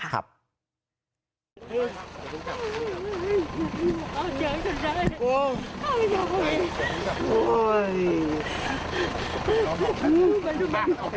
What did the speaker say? คุณป้าของน้องธันวาผู้ทองข่าวอ่อน